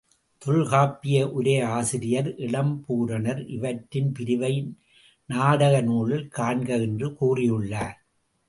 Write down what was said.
தொல்காப்பிய உரையாசிரியர் இளம்பூரணர் இவற்றின் பிரிவை நாடக நூலில் காண்க என்று கூறியுள்ளார்.